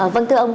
vâng thưa ông